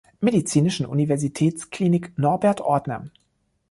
Medizinischen Universitätsklinik Norbert Ortner.